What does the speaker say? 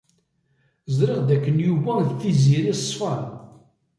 Ẓriɣ dakken Yuba ed Tiziri ṣfan.